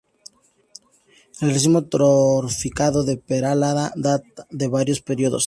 El recinto fortificado de Peralada data de varios periodos.